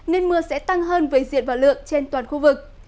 nên mưa sẽ tăng hơn về diện và lượng trên toàn khu vực